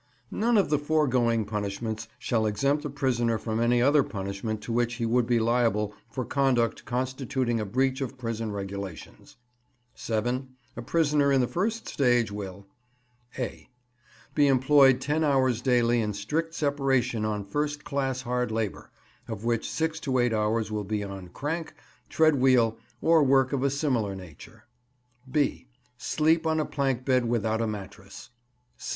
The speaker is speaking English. None of the foregoing punishments shall exempt a prisoner from any other punishment to which he would be liable for conduct constituting a breach of prison regulations. 7. A prisoner in the first stage will (a) Be employed ten hours daily in strict separation on first class hard labour, of which six to eight hours will be on crank, tread wheel, or work of a similar nature. (b) Sleep on a plank bed without a mattress.